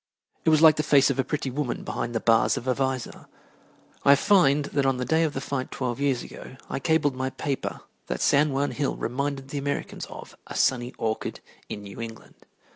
It was like the face of a pretty woman behind the bars of a visor. I find that on the day of the fight twelve years ago I cabled my paper that San Juan Hill reminded the Americans of "a sunny orchard in New England."